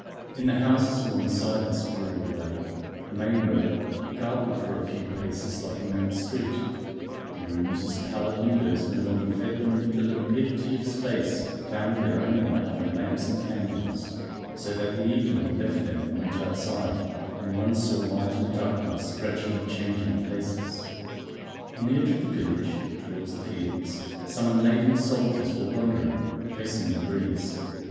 In the houses alongside this rural way a main road, garbed for a few paces like a main street the rooms whose pallid windows no longer fed them with the limpidity of space found their own light from lamps and candles, so that the evening left them and went outside, and one saw light and darkness gradually changing places. On the edge of the village, towards the fields, some unladen soldiers were wandering, facing the breeze.